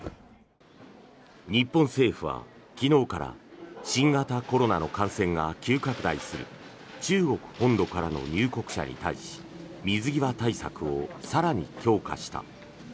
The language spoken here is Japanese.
日本政府は昨日から新型コロナの感染が急拡大する中国本土からの入国者に対し水際対策を更に強化した。